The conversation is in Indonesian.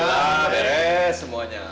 dan beres semuanya